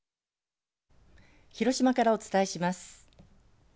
広島からお伝えします。